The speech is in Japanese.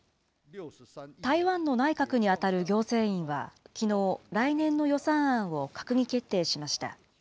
台湾の内閣に当たる行政院は、きのう、来年の予算案を閣議決定しました。